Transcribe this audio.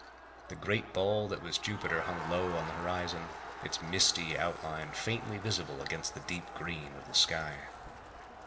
The great ball that was Jupiter hung low on the horizon, its misty outline faintly visible against the deep green of the sky.